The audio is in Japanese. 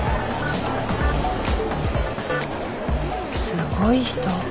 すごい人。